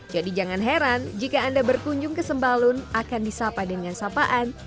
jadi jangan heran jika anda berkunjung ke sembalun akan disapa dengan sapaan